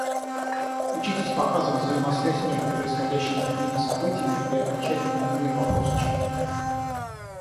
Учитесь показывать взаимосвязь между происходящими в книге событиями и отвечать на немые вопросы читателя.